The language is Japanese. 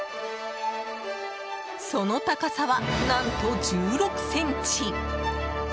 その高さは、何と１６ｃｍ。